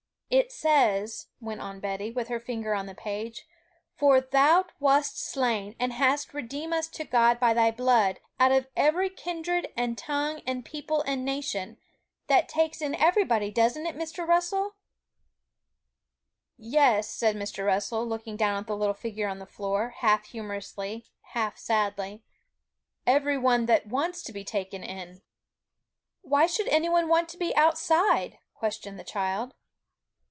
'It says,' went on Betty, with her finger on the page, 'for Thou wast slain, and hast redeemed us to God by Thy blood, out of every kindred and tongue and people and nation; that takes in everybody, doesn't it, Mr. Russell?' 'Yes,' said Mr. Russell, looking down at the little figure on the floor, half humorously, half sadly; 'every one that wants to be taken in.' 'Why should any one want to be outside?' questioned the child.